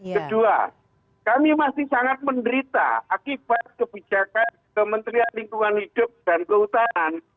kedua kami masih sangat menderita akibat kebijakan kementerian lingkungan hidup dan kehutanan